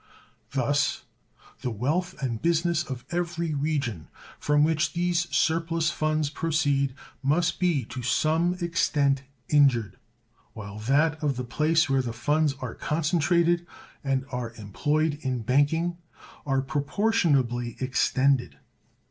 Thus the wealth and business of every region from which these surplus funds proceed must be to some extent injured, while that of the place where the funds are concentrated and are employed in banking are proportionably extended.